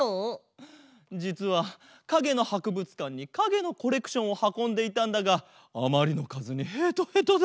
じつはかげのはくぶつかんにかげのコレクションをはこんでいたんだがあまりのかずにヘトヘトだ。